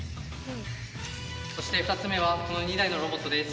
そして２つ目はこの２台のロボットです。